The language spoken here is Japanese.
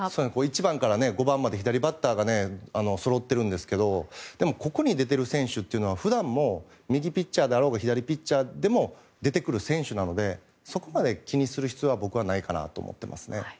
１番から５番まで左バッターがそろっていますがここに出てる選手は普段も右ピッチャーであろうが左ピッチャーでも出てくる選手なのでそこまで気にする必要は僕はないかなと思っています。